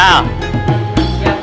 ya pak haji